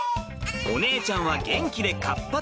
お姉ちゃんは元気で活発。